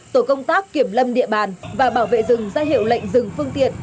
tổ công tác kiểm lâm địa bàn và bảo vệ rừng ra hiệu lệnh dừng phương tiện